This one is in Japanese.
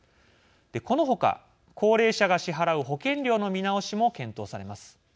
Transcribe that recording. この他、高齢者が支払う保険料の見直しも検討されます。